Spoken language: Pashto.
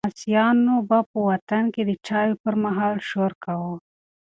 لمسیانو به په وطن کې د چایو پر مهال شور کاوه.